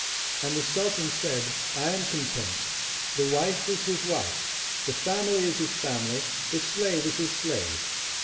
And the sultan said: 'I am content. The wife is his wife, the family is his family, the slave is his slave.